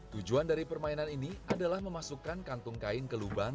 tujuan dari permainan ini adalah memasukkan kantung kain ke lubang